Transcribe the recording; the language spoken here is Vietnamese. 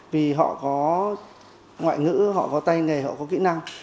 vì họ có ngoại ngữ họ có tay nghề họ có kỹ năng